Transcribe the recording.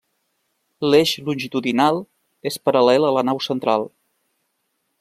L'eix longitudinal és paral·lel a la nau central.